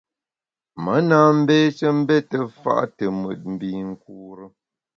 Me na mbéshe mbète fa’ te mùt mbinkure.